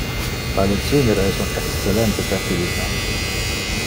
Ma le cinere es un excellente fertilisante.